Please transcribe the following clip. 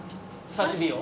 刺身を？